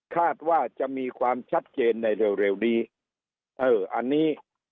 คาดว่าจะมีความชัดเจนในเร็วเร็วนี้เอออันนี้